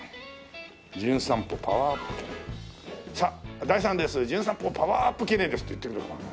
「さあ第３レースじゅん散歩パワーアップ記念です」って言ってくれるかな？